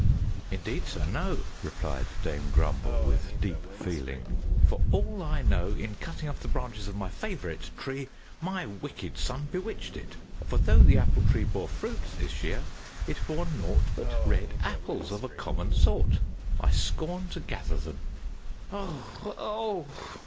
"Indeed sir, no!" replied Dame Grumble with deep feeling. "For all I know, in cutting off the branches of my favorite tree, my wicked son bewitched it. For though the Apple Tree bore fruit this year, it bore naught but red apples of a common sort; I scorn to gather them! "Oh, Oh!"